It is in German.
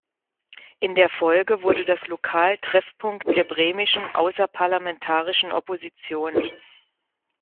In der Folge wurde das Lokal Treffpunkt der bremischen Außerparlamentarischen Opposition.